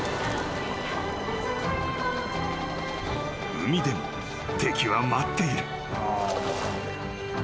［海でも敵は待っている］